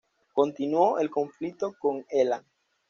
Continuó el conflicto con Elam.